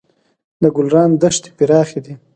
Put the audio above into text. د ګلران دښتې پراخې دي